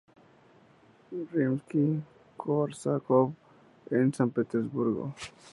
Rimski-Kórsakov en San Petersburgo.